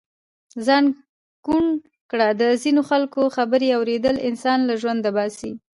ځان ڪوڼ ڪړه د ځينو خلڪو خبرې اوریدل انسان له ژونده باسي.